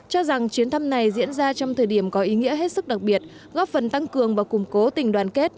cho rằng chuyến thăm này diễn ra trong thời điểm có ý nghĩa hết sức đặc biệt góp phần tăng cường và củng cố tình đoàn kết